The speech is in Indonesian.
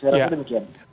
saya rasa demikian